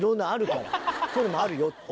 こういうのもあるよって。